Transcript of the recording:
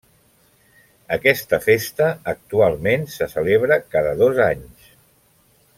Aquesta festa, actualment, se celebra cada dos anys.